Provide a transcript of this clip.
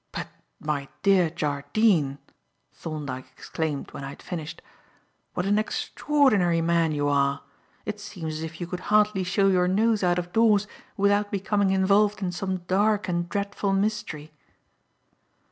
"But my dear Jardine!" Thorndyke exclaimed when I had finished, "what an extraordinary man you are! It seems as if you could hardly show your nose out of doors without becoming involved in some dark and dreadful mystery."